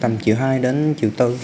tầm chiều hai tầm chiều hai đến chiều bốn